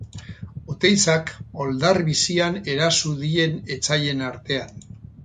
Oteizak oldar bizian eraso dien etsaien artean.